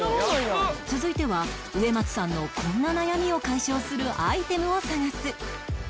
続いては植松さんのこんな悩みを解消するアイテムを探す